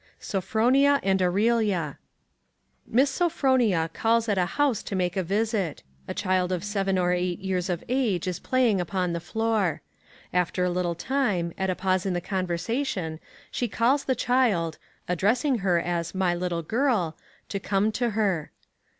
Sophronia and Aurelia. Miss Sophronia calls at a house to make a visit. A child of seven or eight years of age is playing upon the floor. After a little time, at a pause in the conversation, she calls the child addressing her as "My little girl" to come to her.